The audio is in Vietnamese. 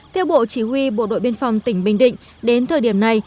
theo bộ chỉ huy bộ đội biên phòng tỉnh bình định đến thời điểm này